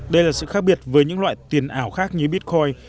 đây là sự khác biệt với những loại tiền ảo khác như bitcoin